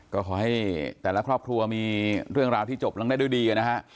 ก็ขอให้แต่ละครอบครัวมีเรื่องราวที่จบลงได้ด้วยดีนะฮะ